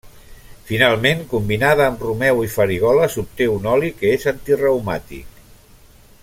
Finalment, combinada amb romeu i farigola s'obté un oli que és antireumàtic.